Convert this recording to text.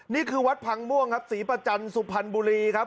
นี่คือวัดพังม่วงครับศรีประจันทร์สุพรรณบุรีครับคุณผู้ชมครับ